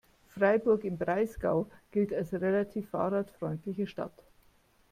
Freiburg im Breisgau gilt als relativ fahrradfreundliche Stadt.